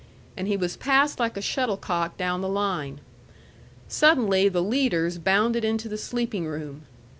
and he was passed like a shuttle cock down the line. Suddenly the leaders bounded into the sleeping room.